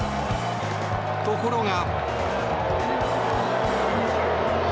ところが。